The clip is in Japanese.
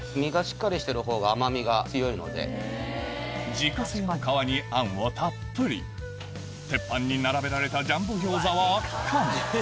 自家製の皮に餡をたっぷり鉄板に並べられたジャンボギョーザは圧巻！